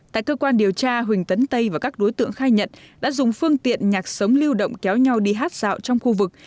tại cơ quan điều tra huỳnh tấn tây và các đối tượng khai nhận đã dùng phương tiện nhạc sống lưu động kéo nhau đi hát dạo trong khu vực